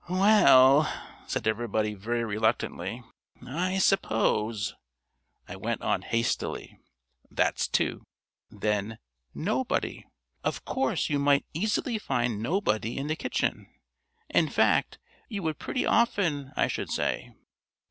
"Well," said everybody very reluctantly, "I suppose " I went on hastily. "That's two. Then Nobody. Of course, you might easily find nobody in the kitchen. In fact you would pretty often, I should say.